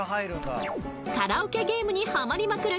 カラオケゲームにハマりまくる